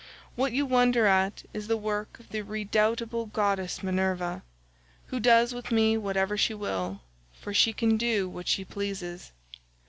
What you wonder at is the work of the redoubtable goddess Minerva, who does with me whatever she will, for she can do what she pleases.